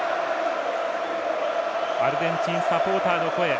アルゼンチンサポーターの声。